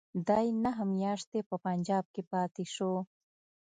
دی نهه میاشتې په پنجاب کې پاته شو.